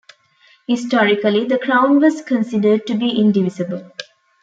Historically, the Crown was considered to be indivisible.